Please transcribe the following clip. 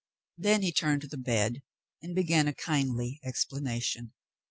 Then he turned to the bed and began a kindly explana tion.